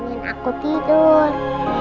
temenin aku tidur